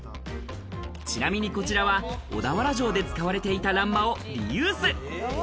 ちなみにこちらは小田原城で使われていた欄間をリユース。